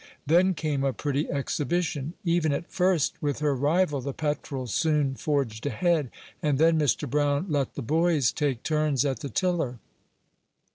Then came a pretty exhibition. Even at first with her rival, the Petrel soon forged ahead, and then Mr. Brown let the boys take turns at the tiller.